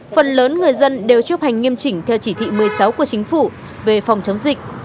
phần lớn người dân đều chấp hành nghiêm chỉnh theo chỉ thị một mươi sáu của chính phủ về phòng chống dịch